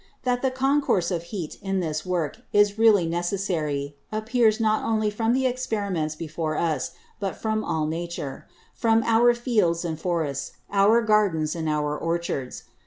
That the Concourse of Heat in this Work is really necessary, appears, not only from the Experiments before us, but from all Nature; from our Fields and Forests, our Gardens and our Orchards.